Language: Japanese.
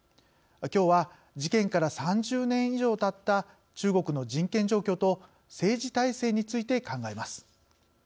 きょうは事件から３０年以上たった中国の人権状況と政治体制について考えます。